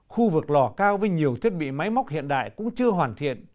khu vực lò cao với nhiều thiết bị máy móc hiện đại cũng chưa hoàn thiện